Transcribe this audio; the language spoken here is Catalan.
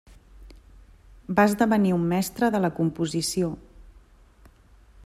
Va esdevenir un mestre de la composició.